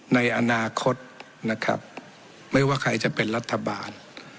ในอนาคตนะครับไม่ว่าใครจะเป็นรัฐบาล